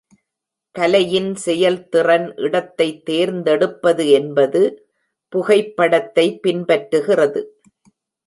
கலையின் செயல்திறன் இடத்தை தேர்ந்தெடுப்பது என்பது, புகைப்படத்தை பின்பற்றுகிறது.